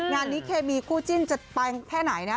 งานนี้เคมีคู่จิ้นจะไปแค่ไหนนะ